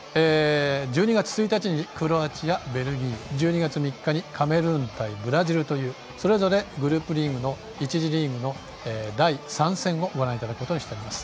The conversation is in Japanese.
１２月１日クロアチア、ベルギー１２月３日にカメルーン、ブラジルというそれぞれ１次リーグの第３戦をご覧いただくことにしています。